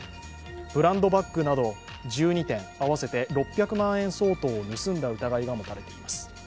ブランドバッグなど１２点合わせて６００万円相当を盗んだ疑いが持たれています。